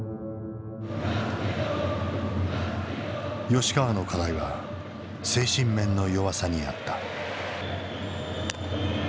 吉川の課題は精神面の弱さにあった。